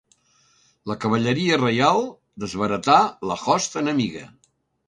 La cavalleria reial desbaratà la host enemiga.